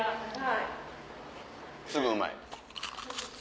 すぐうまい。